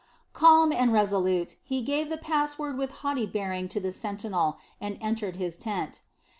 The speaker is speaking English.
Calm and resolute, he gave the pass word with haughty bearing to the sentinel and entered his tent.